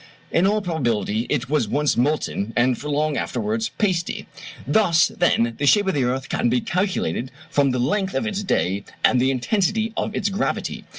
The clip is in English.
In all probability it was once molten, and for long afterwards pasty. Thus, then, the shape of the earth can be calculated from the length of its day and the intensity of its gravity.